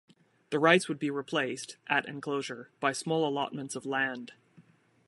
These rights would be replaced, at enclosure, by small allotments of land.